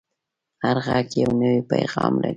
هر غږ یو نوی پیغام لري